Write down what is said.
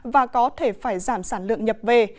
và có thể phải giảm sản lượng nhập về